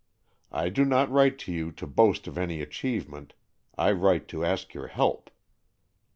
I do not write to you to boast of any achievement. I write to ask your help.